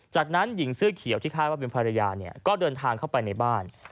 จากนั้นหญิงเสื้อเขียวที่คาดว่าเป็นภรรยาเนี่ยก็เดินทางเข้าไปในบ้าน